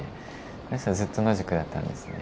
その人はずっと野宿だったんですね。